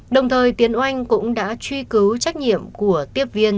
đồng thời tiến oanh cũng đã truy cứu trách nhiệm của tiếp viên